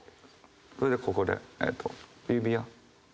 それでここでえっと指輪。